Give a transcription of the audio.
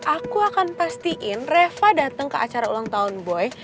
aku akan pastiin reva datang ke acara ulang tahun boy